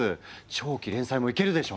長期連載もいけるでしょう？